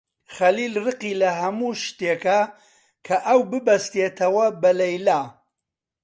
خەلیل ڕقی لە هەموو شتێکە کە ئەو ببەستێتەوە بە لەیلا.